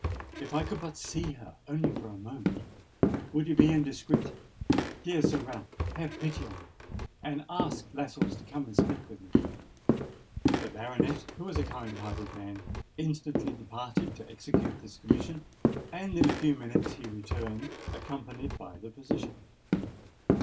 If I could but see her—only for a moment! Would it be indiscreet? Dear Sir Ralph, have pity upon me, and ask Lascelles to come and speak to me." The baronet, who was a kind hearted man, instantly departed to execute this commission; and in a few minutes he returned, accompanied by the physician.